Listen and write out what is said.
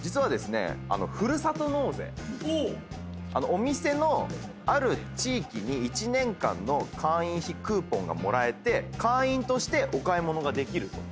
お店のある地域に１年間の会員費クーポンがもらえて会員としてお買い物ができると。